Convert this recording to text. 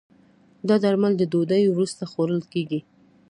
دا درمل د ډوډی وروسته خوړل کېږي.